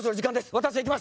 私は行きます！